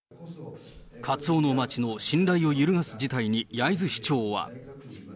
カツオの街の信頼を揺るがす事態に焼津市長は。